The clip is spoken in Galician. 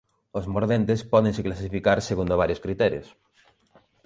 Os mordentes pódense clasificar segundo varios criterios.